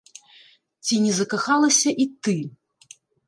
Ці не закахалася і ты?